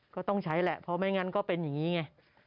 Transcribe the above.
ก็ต้องใช้แหละเพราะไม่งั้นก็เป็นอย่างนี้ไง